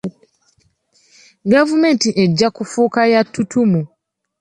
Gavumenti ejja kufuuka ya ttutumu.